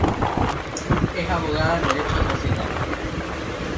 Es abogada en derecho societario.